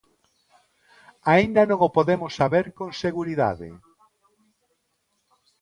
Aínda non o podemos saber con seguridade.